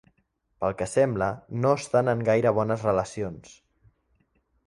Pel que sembla, no estan en gaire bones relacions.